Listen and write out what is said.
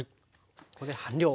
ここで半量。